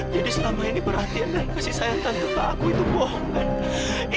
jadi selama ini perhatian dan kasih sayang tante pada aku itu bohong kan